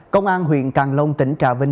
công an huyện càng long tỉnh trà vinh